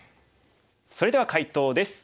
それでは解答です。